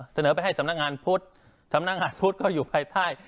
เสนอไปให้สำนักงานพุทธสำนักงานพุทธก็อยู่ภายใต้